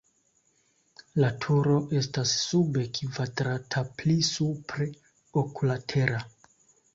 La turo estas sube kvadrata, pli supre oklatera.